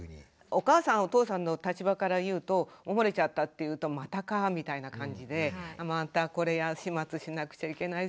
お母さんお父さんの立場から言うと漏れちゃったっていうとまたかみたいな感じでまたこれ始末しなくちゃいけない。